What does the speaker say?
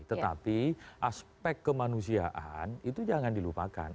tetapi aspek kemanusiaan itu jangan dilupakan